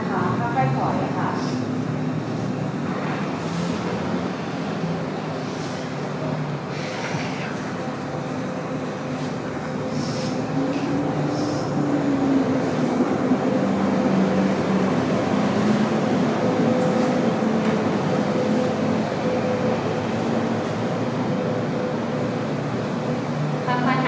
ภ่ะภ่ะหายใจยังยังมีนะคะ